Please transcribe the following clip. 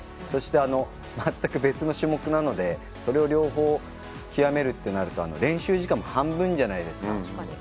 そして、全く別の種目なのでそれを両方極めるとなると練習時間も半分じゃないですか。